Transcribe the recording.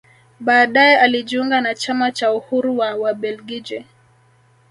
Baadae alijiunga na chama cha Uhuru wa Wabelgiji